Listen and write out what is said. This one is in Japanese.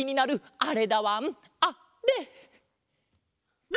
あれ？